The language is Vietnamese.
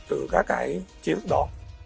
từ các cái chi thức đó